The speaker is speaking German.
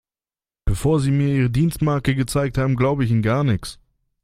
Bevor Sie mir Ihre Dienstmarke gezeigt haben, glaube ich Ihnen gar nichts.